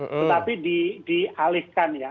tetapi dialihkan ya